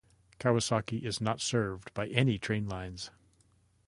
Kawasaki is not served by any train lines.